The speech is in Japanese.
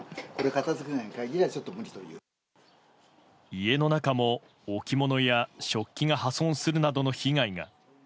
家の中も置物や食器が破損するなどの被害が。